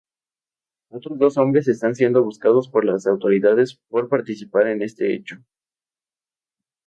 Otros dos hombres están siendo buscados por las autoridades por participar en este hecho.